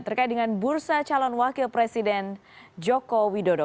terkait dengan bursa calon wakil presiden jokowi dodo